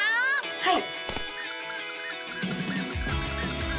はい！